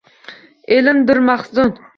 Elimdir mahzun.